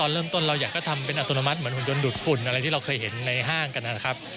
เราอยากจะทำอัตโนมัติเหมือนหุ่นยนต์หลุดของขนอะไรที่เราจะเห็นในห้างก็นะครับ